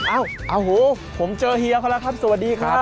เอ้าโอ้โหผมเจอเฮียเขาแล้วครับสวัสดีครับ